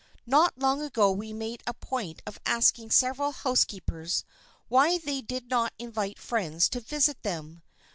Not long ago we made a point of asking several housekeepers why they did not invite friends to visit them.